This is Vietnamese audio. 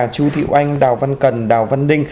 chú thị oanh đào văn cần đào văn ninh